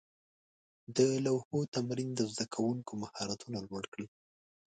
د لوحو تمرین د زده کوونکو مهارتونه لوړ کړل.